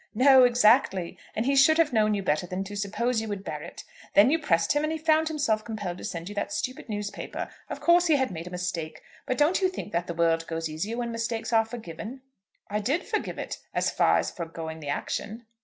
"No; exactly. And he should have known you better than to suppose you would bear it. Then you pressed him, and he found himself compelled to send you that stupid newspaper. Of course he had made a mistake. But don't you think that the world goes easier when mistakes are forgiven?" "I did forgive it, as far as foregoing the action."